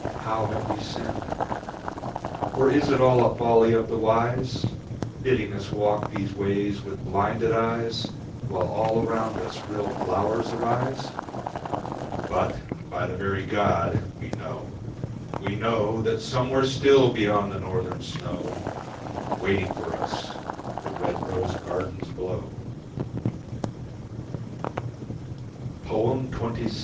How have we sinned? Or is it all a folly of the wise, Bidding us walk these ways with blinded eyes While all around us real flowers arise? But, by the very God, we know, we know That somewhere still, beyond the Northern snow Waiting for us the red rose gardens blow. XXVI.